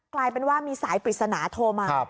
กลายเป็นว่ามีสายปริศนาโทรมา